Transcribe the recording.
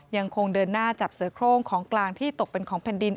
ยังคงเดินหน้าจับเสือโครงของกลางที่ตกเป็นของแผ่นดิน